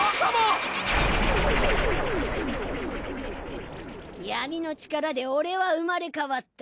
フフフ闇の力で俺は生まれ変わった。